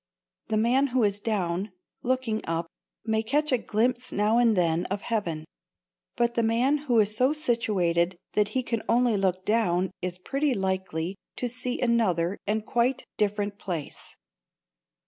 The man who is down, looking up, may catch a glimpse now and then of heaven, but the man who is so situated that he can only look down is pretty likely to see another and quite different place.